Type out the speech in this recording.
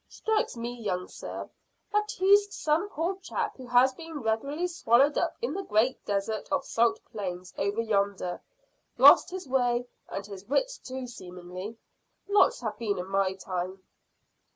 "Strikes me, young sir, that, he's some poor chap who has been regularly swallowed up in the great desert of salt plains over yonder. Lost his way, and his wits too, seemingly. Lots have been in my time."